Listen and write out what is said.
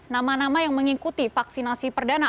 nama nama yang mengikuti vaksinasi perdana